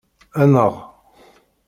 Enɣ!